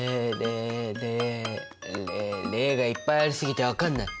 ０がいっぱいありすぎて分かんない。